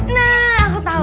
nah aku tahu